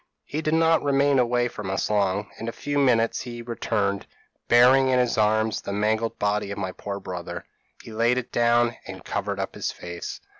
p> "He did not remain away from us long; in a few minutes he returned, bearing in his arms the mangled body of my poor brother; he laid it down, and covered up his face.